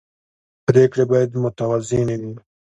پرېکړې باید متوازنې وي